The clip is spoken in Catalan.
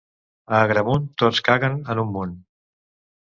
A Agramunt tots caguen en un munt